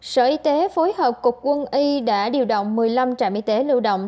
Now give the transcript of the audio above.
sở y tế phối hợp cục quân y đã điều động một mươi năm trạm y tế lưu động